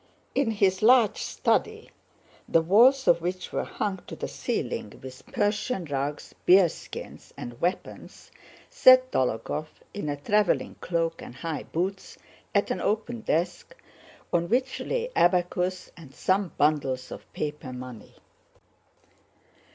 In his large study, the walls of which were hung to the ceiling with Persian rugs, bearskins, and weapons, sat Dólokhov in a traveling cloak and high boots, at an open desk on which lay an abacus and some bundles of paper money.